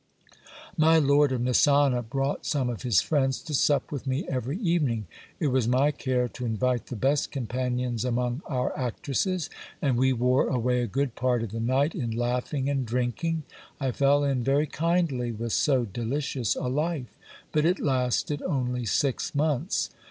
My lord of Xisana brought some of his friends to sup with me every evening. It was my care to invite the best companions among our actresses, and we wore away a good part of the night in laughing and drinking. I fell in very kindly with so delicious a life ; but it lasted only six months.